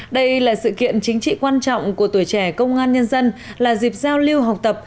đây là sự kiện chính trị quan trọng của tuổi trẻ công an nhân dân là dịp giao lưu học tập